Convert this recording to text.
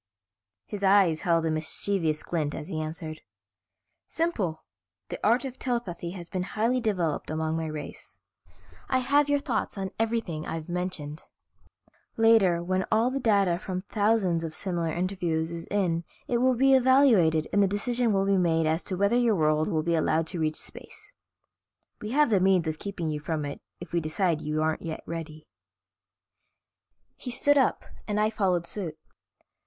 His eyes held a mischievous glint as he answered. "Simple, the art of telepathy has been highly developed among my race. I have your thoughts on everything I've mentioned. Later, when all the data from thousands of similar interviews is in it will be evaluated and the decision made as to whether your world will be allowed to reach space. We have the means of keeping you from it if we decide you aren't yet ready." He stood up and I followed suit.